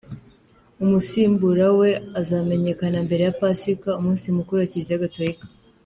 Umusimbura we azamenyekana mbere ya Pasika, umunsi mukuru wa Kiliziya Gatolika.